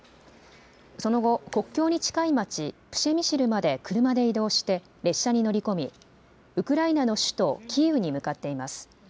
その後、国境に近い街、プシェミシルまで車で移動して列車に乗り込みウクライナの首都キーウに向かっています。